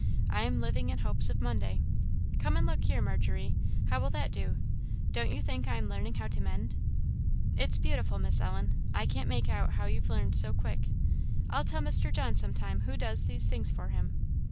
I am living in hopes of Monday. Come and look here, Margery how will that do? don't you think I am learning to mend?" "It's beautiful, Miss Ellen! I can't make out how you've learned so quick. I'll tell Mr. John some time who does these things for him."